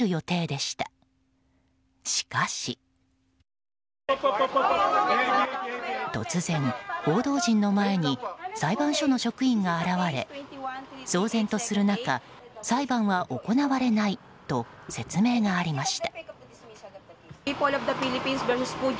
しかし、突然、報道陣の前に裁判所の職員が現れ騒然とする中裁判は行われないと説明がありました。